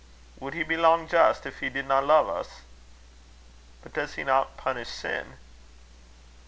"Would he be lang just if he didna lo'e us?" "But does he not punish sin?"